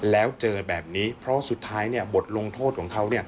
แล้วเจอแบบนี้เพราะสุดท้ายบทลงโทษของเขา